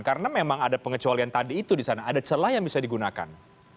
karena memang ada pengecualian tadi itu di sana ada celah yang bisa digunakan